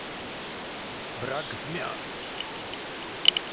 Brak zmian